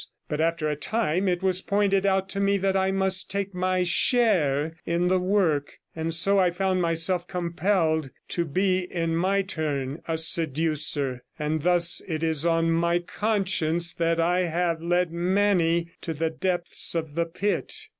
But after a time it was 134 pointed out to me that I must take my share in the work, and so I found myself compelled to be in my turn a seducer; and thus it is on my conscience that I have led many to the depths of the pit.